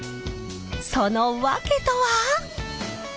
その訳とは。